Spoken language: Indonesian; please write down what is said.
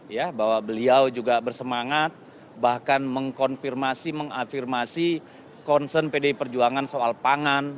ya bahwa beliau juga bersemangat bahkan mengkonfirmasi mengafirmasi concern pdi perjuangan soal pangan